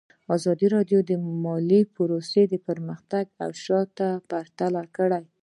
ازادي راډیو د مالي پالیسي پرمختګ او شاتګ پرتله کړی.